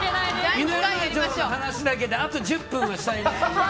犬山城の話だけであと１０分したい。